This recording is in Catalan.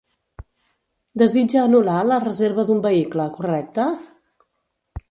Desitja anul·lar la reserva d'un vehicle, correcte?